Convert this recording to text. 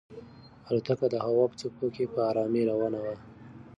الوتکه د هوا په څپو کې په ارامۍ روانه وه.